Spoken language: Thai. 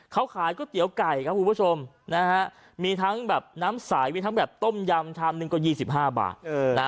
เขาขายก๋วยเตี๋ยวไก่ครับคุณผู้ชมนะฮะมีทั้งแบบน้ำใสมีทั้งแบบต้มยำชามหนึ่งก็๒๕บาท